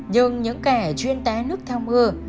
nhưng những kẻ chuyên tái nước theo mưa